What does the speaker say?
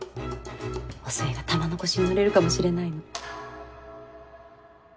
お寿恵が玉のこしに乗れるかもしれないの。